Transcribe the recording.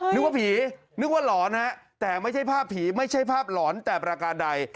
นึกว่าผีนึกว่าหลอนฮะแต่ไม่ใช่ภาพผีไม่ใช่ภาพหลอนแต่ประการใด